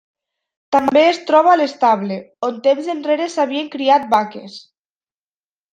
També es troba l'estable, on temps enrere s'havien criat vaques.